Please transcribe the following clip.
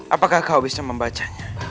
apakah kau bisa membacanya